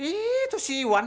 itu si iwan